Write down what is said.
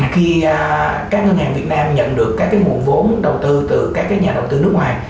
khi các ngân hàng việt nam nhận được các nguồn vốn đầu tư từ các nhà đầu tư nước ngoài